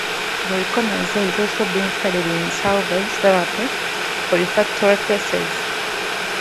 Voriconazole is also being studied in salvage therapy for refractory cases.